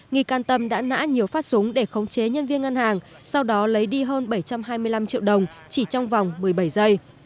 nghi can tâm đã nã nhiều phát súng để khống chế nhân viên ngân hàng sau đó lấy đi hơn bảy trăm hai mươi năm triệu đồng chỉ trong vòng một mươi bảy giây